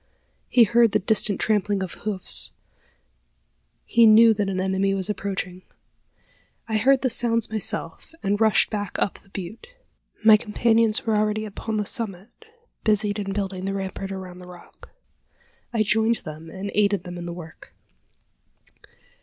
He heard the distant trampling of hoofs: he knew that an enemy was approaching. I heard the sounds myself, and rushed back up the butte. My companions were already upon the summit, busied in building the rampart around the rock. I joined them, and aided them in the work.